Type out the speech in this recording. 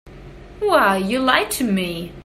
Why, you lied to me.